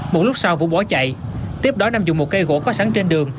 một lúc sau vũ bỏ chạy tiếp đó nam dùng một cây gỗ có sẵn trên đường